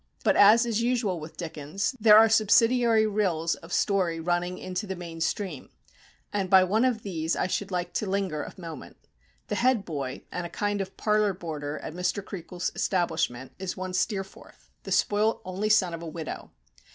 But, as is usual with Dickens, there are subsidiary rills of story running into the main stream, and by one of these I should like to linger a moment. The head boy, and a kind of parlour boarder, at Mr. Creakles' establishment, is one Steerforth, the spoilt only son of a widow.